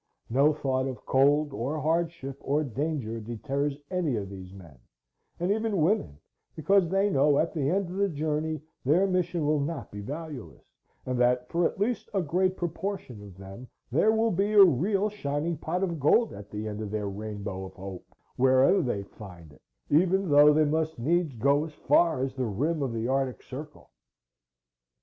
No thought of cold, or hardship, or danger deters any of these men, and even women, because they know at the end of the journey their mission will not be valueless, and that for at least a great proportion of them there will be a real shining pot of gold at the end of their rainbow of hope where'er they find it even though they must needs go as far as the rim of the Arctic Circle.